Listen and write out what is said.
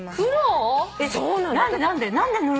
何で何で？